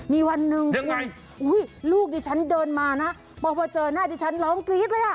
มีวันหนึ่งคุณอุ้ยลูกดิฉันเดินมานะพอมาเจอหน้าดิฉันร้องกรี๊ดเลยอ่ะ